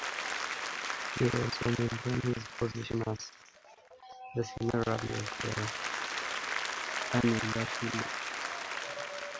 He also maintains his position as the senior rabbi of the Dianella Shule.